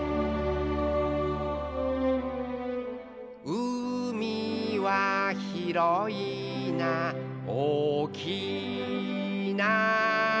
「うみはひろいなおおきいな」